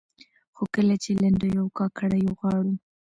خو کله چې لنډيو او کاکړيو غاړو